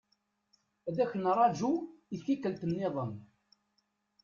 Ad k-nraju i tikkelt-nniḍen.